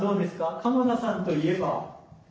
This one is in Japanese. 鴨田さんといえば。